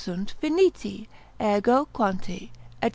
sunt finiti, ergo. quanti, &c.